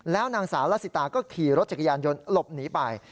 แล้วนางสาวละสิตาก็ขี่รถจักรยานยนต์หลบหนีไป